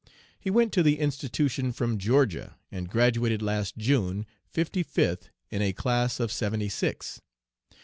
He went to the institution from Georgia, and graduated last June, fifty fifth in a class of seventy six.